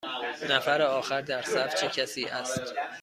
نفر آخر در صف چه کسی است؟